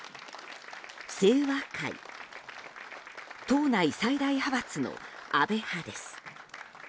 党内最大派閥の安倍派です。